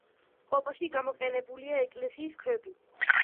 წყობაში გამოყენებულია ეკლესიის ქვები.